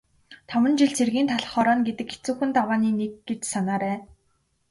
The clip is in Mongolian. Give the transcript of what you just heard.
Таван жил цэргийн талх хорооно гэдэг хэцүүхэн давааны нэг гэж санаарай.